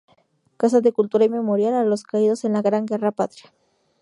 Casa de cultura y memorial a los caídos en la Gran Guerra Patria.